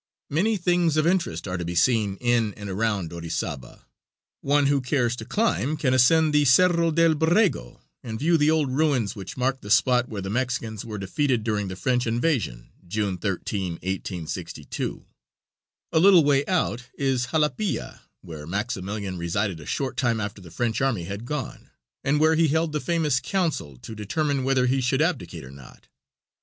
Many things of interest are to be seen in and around Orizaba. One who cares to climb can ascend the Cerro del Berrego and view the old ruins which mark the spot where the Mexicans were defeated during the French invasion, June 13, 1862. A little way out is Jalapilla, where Maximilian resided a short time after the French army had gone, and where he held the famous council to determine whether he should abdicate or not.